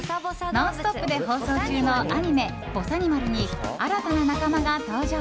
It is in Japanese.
「ノンストップ！」で放送中のアニメ「ぼさにまる」に新たな仲間が登場。